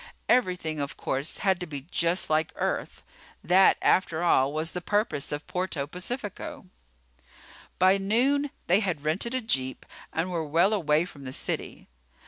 Everything, of course, had to be just like Earth. That, after all, was the purpose of Puerto Pacifico. By noon they had rented a jeep and were well away from the city.